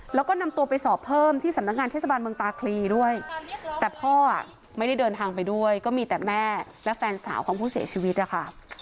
แล้วก็นำตัวไปสอบเพิ่มที่สำนักงานเทศบาลเมืองตาคลีด้วยแต่พ่อไม่ได้เดินทางไปด้วยก็มีแต่แม่และแฟนสาวของผู้เสียชีวิตนะคะ